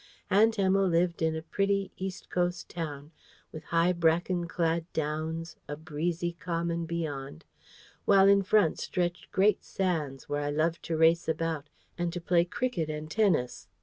Aunt Emma lived in a pretty east coast town, with high bracken clad downs, and breezy common beyond; while in front stretched great sands, where I loved to race about and to play cricket and tennis.